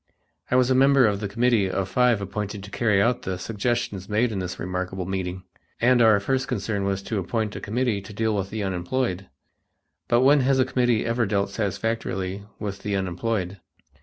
I was a member of the committee of five appointed to carry out the suggestions made in this remarkable meeting, and or first concern was to appoint a committee to deal with the unemployed. But when has a committee ever dealt satisfactorily with the unemployed?